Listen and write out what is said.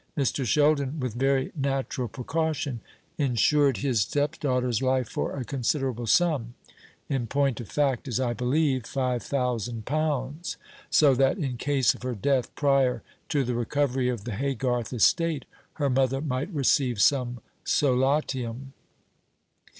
Mr. Sheldon, with very natural precaution, insured his stepdaughter's life for a considerable sum in point of fact, as I believe, five thousand pounds; so that, in case of her death prior to the recovery of the Haygarth estate, her mother might receive some solatium."